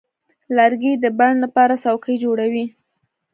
لرګی د بڼ لپاره څوکۍ جوړوي.